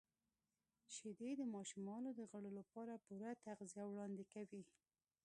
•شیدې د ماشومانو د غړو لپاره پوره تغذیه وړاندې کوي.